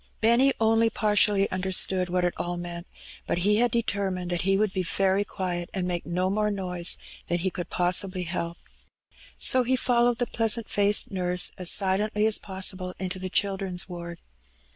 Benny only partly understood what it all meant^ but he had determined that he would be very quiet^ and make no more noise than he could possibly help. So he followed the pleasant faced nurse as silently as possible into the Children's Ward.